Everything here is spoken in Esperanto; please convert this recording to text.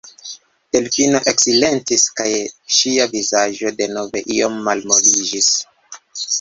Delfino eksilentis, kaj ŝia vizaĝo denove iom malmoliĝis.